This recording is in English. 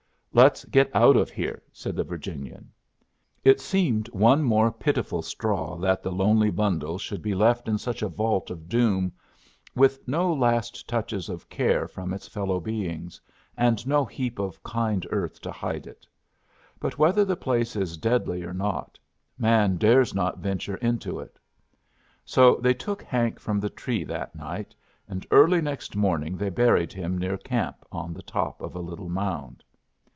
"Let's get out of here," said the Virginian. It seemed one more pitiful straw that the lonely bundle should be left in such a vault of doom, with no last touches of care from its fellow beings, and no heap of kind earth to hide it. But whether the place is deadly or not, man dares not venture into it. So they took Hank from the tree that night, and early next morning they buried him near camp on the top of a little mound.